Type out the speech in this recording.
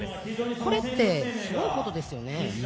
これってすごいことですよね。